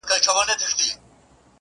کبرجن سو ګمراهي ځني کيدله-